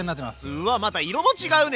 うわっまた色も違うね！